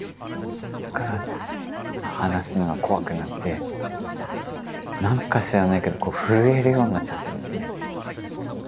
だから話すのが怖くなってなんか知らないけど震えるようになっちゃってですね。